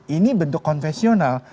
ini bentuk konfesional